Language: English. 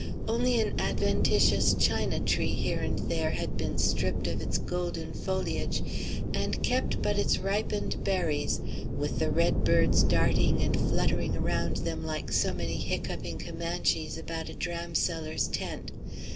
Only an adventitious China tree here and there had been stripped of its golden foliage, and kept but its ripened berries with the red birds darting and fluttering around them like so many hiccoughing Comanches about a dramseller's tent.